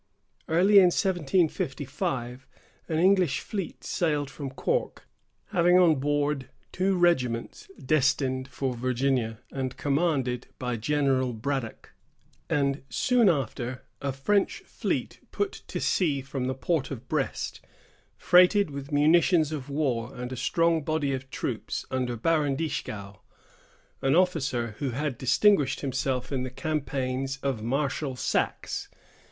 Early in 1755, an English fleet sailed from Cork, having on board two regiments destined for Virginia, and commanded by General Braddock; and soon after, a French fleet put to sea from the port of Brest, freighted with munitions of war and a strong body of troops under Baron Dieskau, an officer who had distinguished himself in the campaigns of Marshal Saxe.